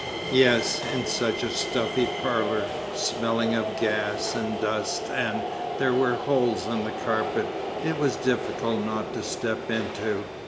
"Yes, in such a stuffy parlour, smelling of gas and dust and there were holes in the carpet it was difficult not to step into.